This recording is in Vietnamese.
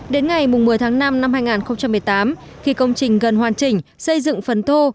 đến ngày một mươi tháng năm năm hai nghìn một mươi tám khi công trình gần hoàn chỉnh xây dựng phấn thô